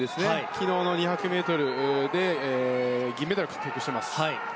昨日の２００ｍで銀メダルを獲得しています。